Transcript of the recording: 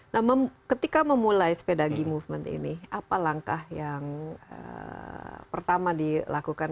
nah ketika memulai sepeda gigi movement ini apa langkah yang anda lakukan